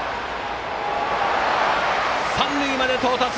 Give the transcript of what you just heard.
三塁まで到達！